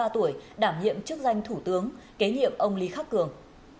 sáu mươi ba tuổi đảm nhiệm chức danh thủ tướng kế nhiệm ông lý khắc cường